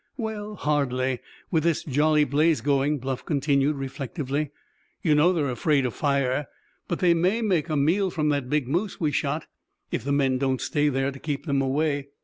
"Well, hardly, with this jolly blaze going," Bluff continued reflectively. "You know, they are afraid of fire. But they may make a meal from that big moose we shot, if the men don't stay there to keep them away."